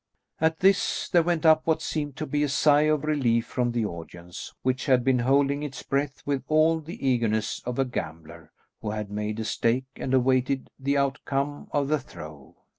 At this there went up what seemed to be a sigh of relief from the audience, which had been holding its breath with all the eagerness of a gambler, who had made a stake and awaited the outcome of the throw.